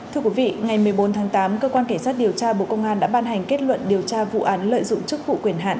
thưa quý vị ngày một mươi bốn tháng tám cơ quan cảnh sát điều tra bộ công an đã ban hành kết luận điều tra vụ án lợi dụng chức vụ quyền hạn